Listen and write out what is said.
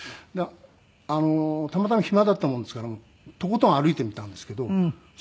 たまたま暇だったものですからとことん歩いてみたんですけどそ